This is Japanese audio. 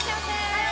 はい！